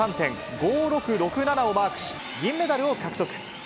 ９３．５６６７をマークし、銀メダルを獲得。